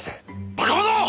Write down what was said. バカ者！